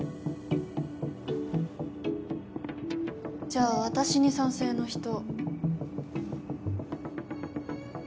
じゃあ私に賛成の人？